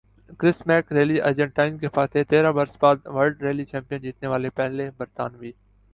کرس McRae ریلی Argentina کے فاتح تیرہ برس بعد ورلڈ ریلی چیمپئن جیتنے والے پہلے برطانوی